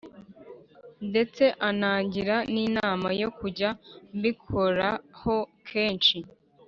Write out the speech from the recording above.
ndetse anangira n’inama yo kujya mbikoraho kenshi